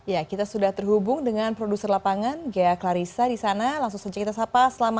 ya selamat siang lady dan juga anissa